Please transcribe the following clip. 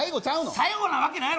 最後なわけないやろ！